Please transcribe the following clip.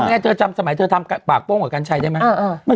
เงี้ยเธอจำสมัยเธอทำปากป้งกับกันชัยได้ไหมเอ่อเออ